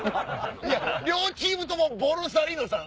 両チームともボルサリーノさん。